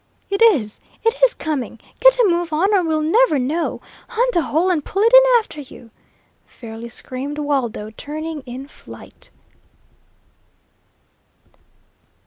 "It is it is coming! Get a move on, or we'll never know hunt a hole and pull it in after you!" fairly screamed Waldo, turning in flight.